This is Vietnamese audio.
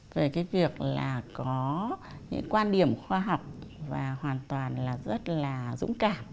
về việc có những quan điểm khoa học và hoàn toàn rất dũng cảm